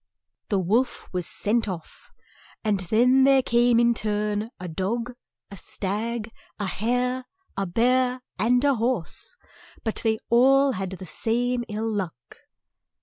The wolf was sent off, and then there came in turn, a dog, a stag, a hare, a bear, and a horse, but they all had the same ill luck.